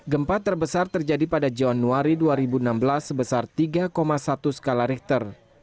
gempa terbesar terjadi pada januari dua ribu enam belas sebesar tiga satu skala richter